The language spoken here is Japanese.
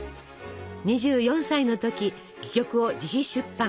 ２４歳の時戯曲を自費出版。